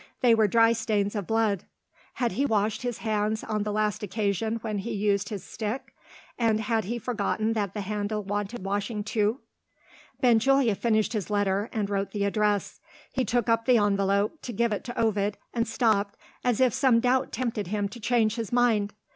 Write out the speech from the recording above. They were dry stains of blood. (Had he washed his hands on the last occasion when he used his stick? And had he forgotten that the handle wanted washing too?) Benjulia finished his letter, and wrote the address. He took up the envelope, to give it to Ovid and stopped, as if some doubt tempted him to change his mind.